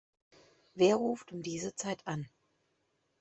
Wer ruft um diese Zeit an?